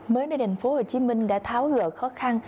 mới đây thành phố hồ chí minh đã tháo gỡ khó khăn